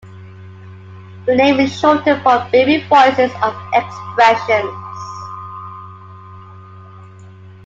The name is shortened from "Baby Voices of Xpression".